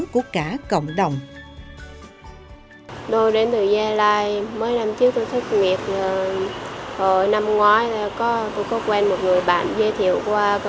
của những người kẻ may mắn